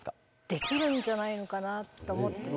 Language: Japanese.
できるんじゃないのかなと思ってて。